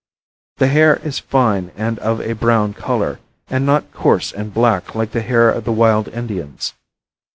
The hair is fine and of a brown color, and not coarse and black like the hair of the wild Indians.